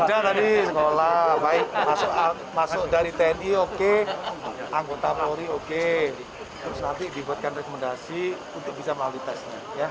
sudah tadi sekolah baik masuk dari tni oke anggota polri oke terus nanti dibuatkan rekomendasi untuk bisa melalui tesnya